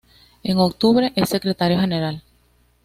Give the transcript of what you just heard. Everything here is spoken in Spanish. En octubre es Secretario General.